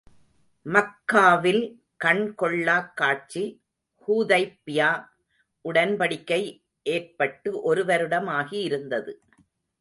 மக்காவில் கண் கொள்ளாக் காட்சி ஹுதைபிய்யா உடன்படிக்கை ஏற்பட்டு ஒரு வருடம் ஆகி இருந்தது.